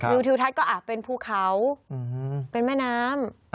ทิวทัศน์ก็เป็นภูเขาเป็นแม่น้ำ